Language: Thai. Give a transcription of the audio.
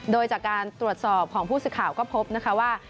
โดยจากการตรวจสอบของผู้สื่อข่าวก็พบนะคะว่า